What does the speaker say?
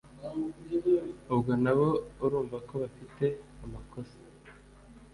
Ubwo nabo urumva ko bafite amakosa.”